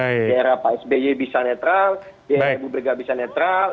di era pak sby bisa netral di era ibu mega bisa netral